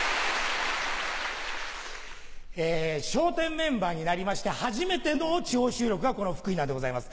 笑点メンバーになりまして初めての地方収録がこの福井なんでございます。